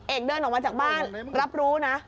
เดินออกมาจากบ้านรับรู้นะ